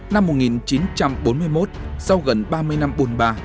năm một nghìn chín trăm bốn mươi một sau gần ba mươi năm bồn bà